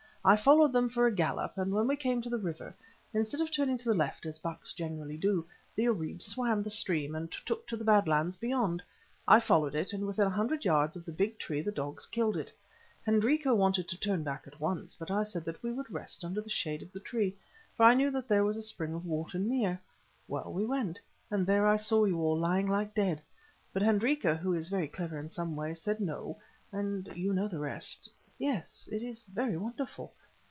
I followed them for the gallop, and when we came to the river, instead of turning to the left as bucks generally do, the oribé swam the stream and took to the Bad Lands beyond. I followed it, and within a hundred yards of the big tree the dogs killed it. Hendrika wanted to turn back at once, but I said that we would rest under the shade of the tree, for I knew that there was a spring of water near. Well, we went; and there I saw you all lying like dead; but Hendrika, who is very clever in some ways, said no—and you know the rest. Yes, it is very wonderful."